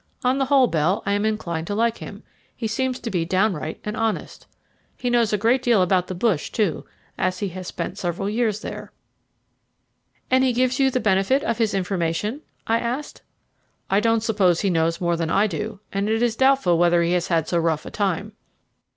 On the whole, Bell, I am inclined to like him; he seems to be downright and honest. He knows a great deal about the bush, too, as he has spent several years there." [Illustration: "They made a contrast." A Master of Mysteries. Page 234] "And he gives you the benefit of his information?" I asked. "I don't suppose he knows more than I do, and it is doubtful whether he has had so rough a time."